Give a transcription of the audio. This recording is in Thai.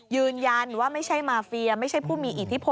ยืนยันว่าไม่ใช่มาเฟียไม่ใช่ผู้มีอิทธิพล